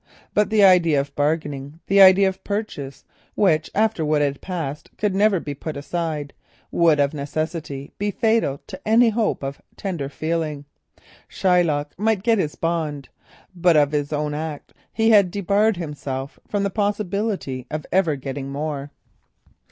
But the idea of bargaining, the idea of purchase, which after what had passed could never be put aside, would of necessity be fatal to any hope of tender feeling. Shylock might get his bond, but of his own act he had debarred himself from the possibility of ever getting more.